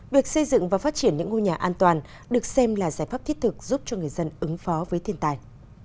việc xây dựng và phát triển những ngôi nhà an toàn được xem là giải pháp thiết thực giúp cho người dân ứng phó với thiên tài